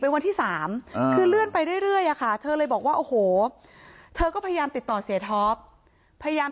เพราะไม่มีเงินไปกินหรูอยู่สบายแบบสร้างภาพ